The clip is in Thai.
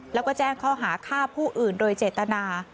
แล้วก็แจ้งข้อหาฆ่าผู้อื่นโดยเจตนา